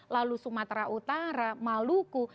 lalu sumatera utara maluku